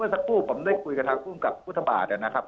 สักครู่ผมได้คุยกับทางภูมิกับพุทธบาทนะครับ